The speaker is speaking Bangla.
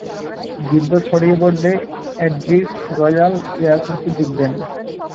যুদ্ধ ছড়িয়ে পড়লে এডরিচ রয়্যাল এয়ার ফোর্সে যোগ দেন।